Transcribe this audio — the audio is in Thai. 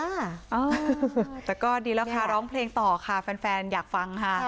เออแต่ก็ดีแล้วค่ะร้องเพลงต่อค่ะแฟนอยากฟังค่ะ